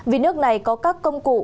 vì nước này có các công cụ